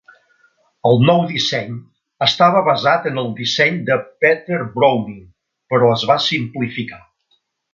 El nou disseny estava basat en el disseny de Petter-Browning però es va simplificar.